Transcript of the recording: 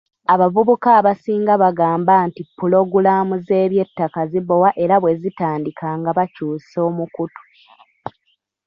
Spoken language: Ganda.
Abavubuka abasinga bagamba nti pulogulaamu z'eby'ettaka zibowa era bwe zitandika nga bakyusa omukutu.